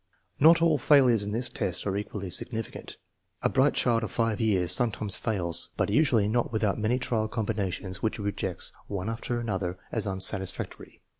Not all failures in this test are equally significant. A bright child of 5 years sometimes fails, but usually not without many trial combinations which he rejects one after another as unsatisfactory.